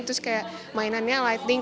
terus kayak mainannya lighting